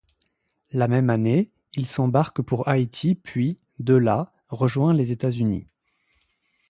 La même année, il s’embarque pour Haïti puis, de là, rejoint les États-Unis.